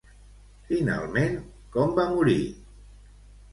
Finalment, com va morir?